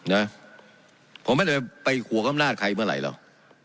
นะผมไม่ได้ไปขัวข้อมนาฬใครเมื่อไหร่แล้ว